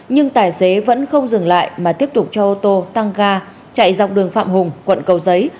nhưng tài xế vẫn không dừng lại mà tiếp tục cho ô tô tăng ga chạy dọc đường phạm hùng quận cầu giấy